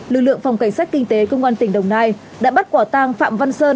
lực lượng phòng cảnh sát kinh tế công an tỉnh đồng nai đã bắt quả tang phạm văn sơn